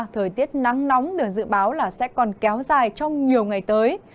thời tiết nắng nóng được dự báo là sẽ còn kéo dài trong nhiều ngày tới